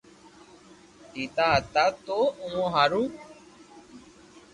ديدا ھتا تو اووہ ھارو